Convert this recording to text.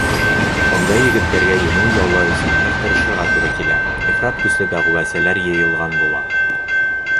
Бында егеттәргә еңеү яулау өсөн ныҡ тырышырға тура килә, ифрат көслө дәғүәселәр йыйылған була.